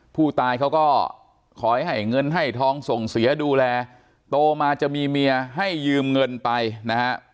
ผู้ตายเขาก็ขอให้เงินให้ทองส่งเสียดูแลโตมาจะมีเมียให้ยืมเงินไปนะฮะ